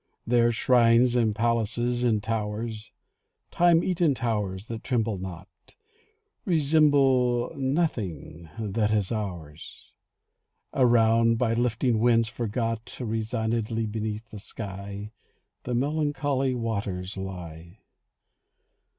There shrines and palaces and towers (Time eaten towers that tremble not!) Resemble nothing that is ours. Around, by lifting winds forgot, Resignedly beneath the sky The melancholy waters lie.